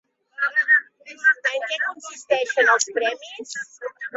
En què consisteixen els premis?